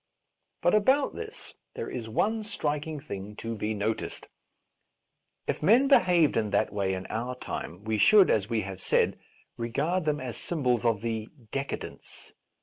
But about this there is one striking thing A Defence of Rash Vows to be noticed. If men behaved in that way in our time, we should, as we have said, regard them as symbols of the *' de cadence."